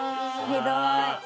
ひどい。